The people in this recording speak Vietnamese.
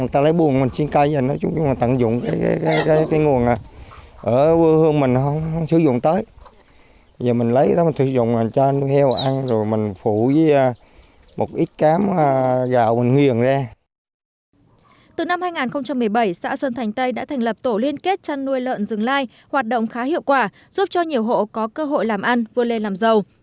từ năm hai nghìn một mươi bảy xã sơn thành tây đã thành lập tổ liên kết trăn nuôi lợn rừng lai hoạt động khá hiệu quả giúp cho nhiều hộ có cơ hội làm ăn vươn lên làm giàu